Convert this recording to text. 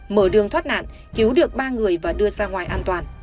mở đường thoát nạn cứu được ba người và đưa ra ngoài an toàn